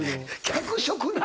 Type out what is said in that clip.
脚色な。